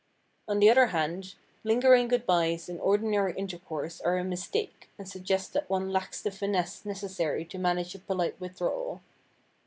On the other hand lingering good bys in ordinary intercourse are a mistake and suggest that one lacks the finesse necessary to manage a polite withdrawal.